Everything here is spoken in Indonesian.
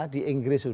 di inggris sudah